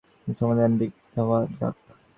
প্রথমে এটা সমাধানের দিকে নজর দেয়া যাক।